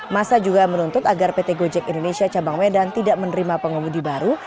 masa juga menuntut agar pt gojek indonesia cabang medan tidak menerima pengemudi baru